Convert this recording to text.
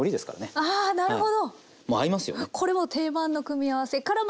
あなるほど。